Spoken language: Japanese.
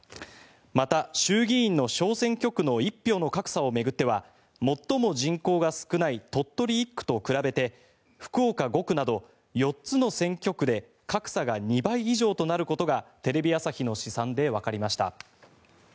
また、衆議院の小選挙区の一票の格差を巡っては最も人口が少ない鳥取１区と比べて福岡５区など４つの選挙区で格差が２倍以上となることがテレビ朝日の試算でわかりました。